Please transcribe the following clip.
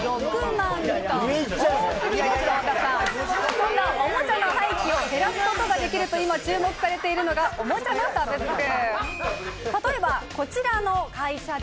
そんなおもちゃの廃棄を減らすことで注目されているのが、おもちゃのサブスク。